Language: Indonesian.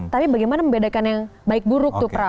tapi bagaimana membedakan yang baik buruk tuh pra